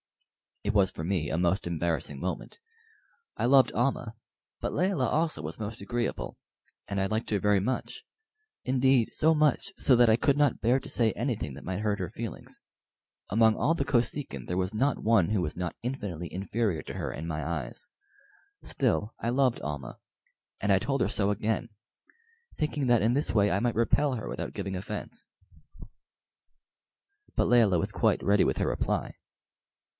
It was for me a most embarrassing moment. I loved Almah, but Layelah also was most agreeable, and I liked her very much; indeed, so much so that I could not bear to say anything that might hurt her feelings. Among all the Kosekin there was not one who was not infinitely inferior to her in my eyes. Still, I loved Almah, and I told her so again, thinking that in this way I might repel her without giving offence. But Layelah was quite ready with her reply.